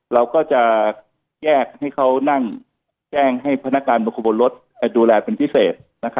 เราก็จะแยกให้เขานั่งแจ้งให้พนักการบุคคลบนรถดูแลเป็นพิเศษ